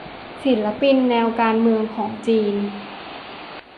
ศิลปินแนวการเมืองของจีน